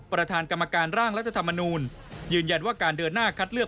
ประธานกรรมการร่างรัฐธรรมนูลยืนยันว่าการเดินหน้าคัดเลือก